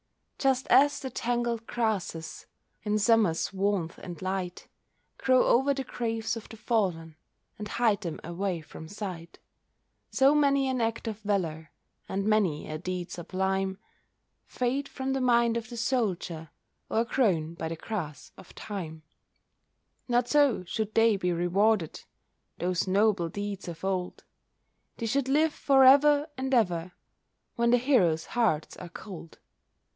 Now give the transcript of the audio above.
Just as the tangled grasses, In Summer's warmth and light, Grow over the graves of the fallen And hide them away from sight, So many an act of valour, And many a deed sublime, Fade from the mind of the soldier O'ergrown by the grass of time Not so should they be rewarded, Those noble deeds of old! They should live for ever and ever, When the heroes' hearts are cold.